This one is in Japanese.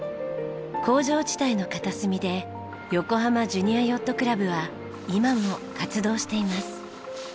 工場地帯の片隅で横浜ジュニアヨットクラブは今も活動しています。